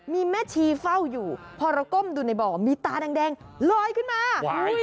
มีแม่ชีเฝ้าอยู่พอเราก้มดูในบ่อมีตาแดงลอยขึ้นมา